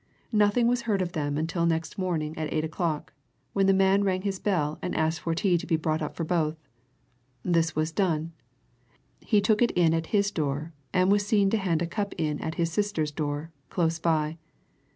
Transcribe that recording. Nothing was heard of them until next morning at eight o'clock, when the man rang his bell and asked for tea to be brought up for both. This was done he took it in at his door, and was seen to hand a cup in at his sister's door, close by.